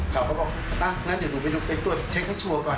เขาก็บอกอ้ะเดี๋ยวหนูไปดูบ่อยตรวจเช็คให้ชัวก่อน